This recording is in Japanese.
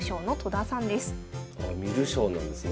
観る将なんですね。